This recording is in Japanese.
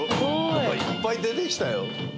何かいっぱい出てきたよ